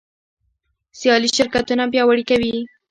سیالي شرکتونه پیاوړي کوي.